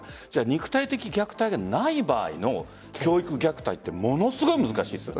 肉体的虐待がない場合の教育虐待ってものすごい難しいですよね。